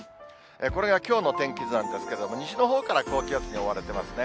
これがきょうの天気図なんですけれども、西のほうから高気圧に覆われてますね。